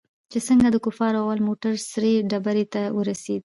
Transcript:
چې څنگه د کفارو اول موټر سرې ډبرې ته ورسېد.